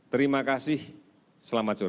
terima kasih selamat sore